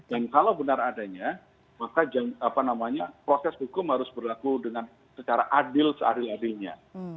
dan kalau benar adanya maka proses hukum harus berlaku dengan secara adil seadil adilnya